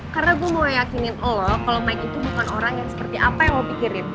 karena gue mau yakinin lo kalo maik itu bukan orang yang seperti apa yang lo pikirin